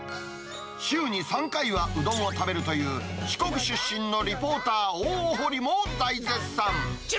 週に３回はうどんを食べるという、四国出身のリポーター、大堀も大絶賛。